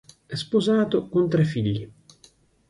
È sposato, con tre figli.